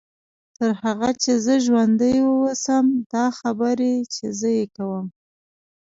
تر هغه چې زه ژوندۍ واوسم دا خبرې چې زه یې کوم.